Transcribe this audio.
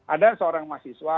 ada seorang mahasiswa